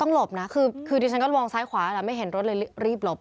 ต้องหลบน่ะคือคือดิฉันก็ลวงซ้ายขวาแล้วไม่เห็นรถเลยรีบหลบ